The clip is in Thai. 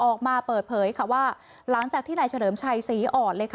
ออกมาเปิดเผยค่ะว่าหลังจากที่นายเฉลิมชัยศรีอ่อนเลยค่ะ